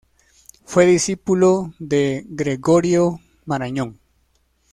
Fue discípulo de Gregorio Marañón.